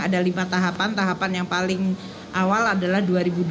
ada lima tahapan tahapan yang paling awal adalah dua ribu dua puluh dua dua ribu dua puluh empat